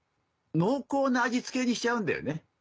濃厚な味付けにしちゃうんだよね。